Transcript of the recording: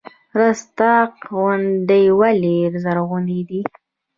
رستاق غونډۍ ولې زرغونې دي؟